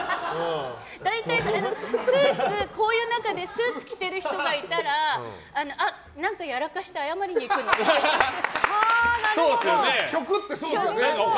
大体こういう中でスーツ着てる人がいたらあ、何かやらかして謝りに行くのかなって。